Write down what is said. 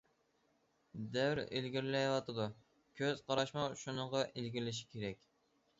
دەۋر ئىلگىرىلەۋاتىدۇ، كۆز قاراشمۇ شۇنىڭغا ئىلگىرىلىشى كېرەك.